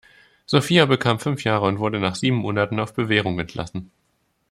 Sophia bekam fünf Jahre und wurde nach sieben Monaten auf Bewährung entlassen.